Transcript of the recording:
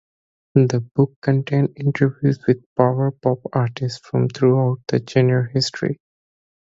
The book contained interviews with power pop artists from throughout the genre's history.